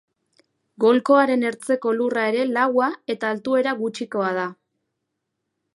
Golkoaren ertzeko lurra ere laua eta altuera gutxikoa da.